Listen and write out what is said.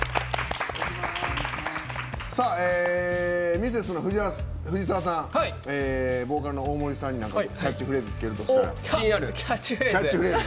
ミセスの藤澤さんボーカルの大森さんにキャッチフレーズをつけるとしたら？